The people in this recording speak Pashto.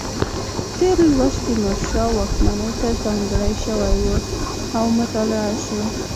تېر لوست تیمورشاه واکمنۍ ته ځانګړی شوی و او مطالعه شو.